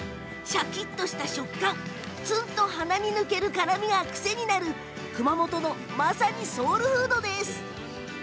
シャキっとした食感つんと鼻に抜ける辛みが癖になる熊本のまさにソウルフードです。